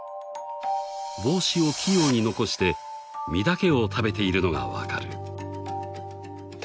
［帽子を器用に残して実だけを食べているのが分かる］